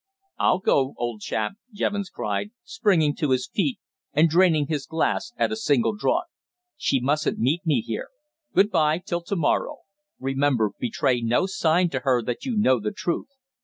"I'll go, old chap," Jevons cried, springing to his feet, and draining his glass at a single draught. "She mustn't meet me here. Good bye till to morrow. Remember, betray no sign to her that you know the truth.